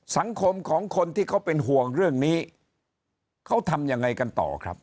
สังคมของคนที่เขาเป็นห่วงเรื่องนี้เขาทำยังไงกันต่อครับ